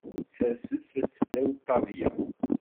Serset-t ddaw ṭṭabla.